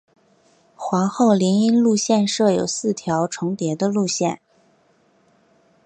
皇后林荫路线设有四条重叠的路线。